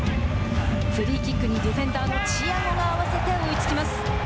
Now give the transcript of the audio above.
フリーキックにディフェンダーのチアゴが合わせて追いつきます。